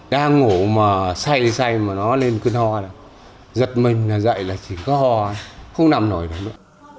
đang ngủ mà say thì say mà nó lên cơn ho giật mình là dậy là chỉ có ho không nằm nổi được nữa